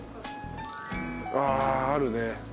ああるね。